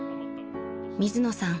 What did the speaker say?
［水野さん